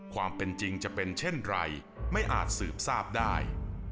ความเป็นจริงจะเป็นเช่นไรไม่อาจสืบทราบได้